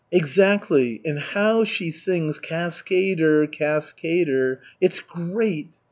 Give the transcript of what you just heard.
"Exactly. And how she sings 'Cas ca ader, ca as cader.' It's great."